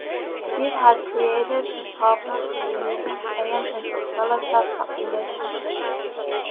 This has created a problem for the region's "A. m. scutellata" populations.